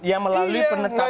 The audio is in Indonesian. yang melalui penetapan